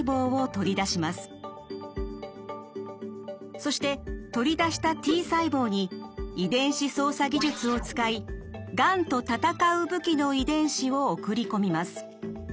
そして取り出したＴ細胞に遺伝子操作技術を使いがんと戦う武器の遺伝子を送り込みます。